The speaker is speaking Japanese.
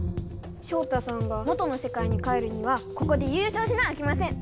照太さんが元のせかいに帰るにはここで優勝しなあきません。